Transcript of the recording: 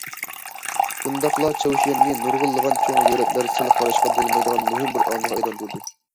شۇنداقلا چاۋشيەننى نۇرغۇنلىغان چوڭ دۆلەتلەر سەل قاراشقا بولمايدىغان مۇھىم بىر ئامىلغا ئايلاندۇردى.